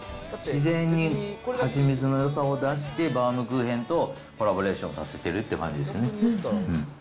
自然にはちみつのよさを出して、バウムクーヘンとコラボレーションさせてるって感じですね。